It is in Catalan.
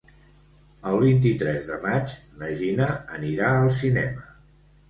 El vint-i-tres de maig na Gina anirà al cinema.